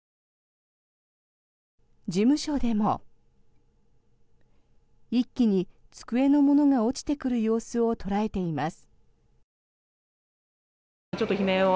事務所でも一気に机のものが落ちてくる様子を捉えています。